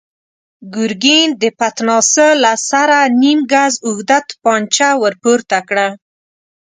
ګرګين د پتناسه له سره نيم ګز اوږده توپانچه ور پورته کړه.